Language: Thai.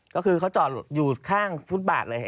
ก็คือเขาจอดอยู่ข้างฟุตบาทเลย